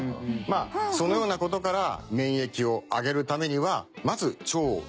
まあそのような事から免疫を上げるためにはまず腸を動かすという事。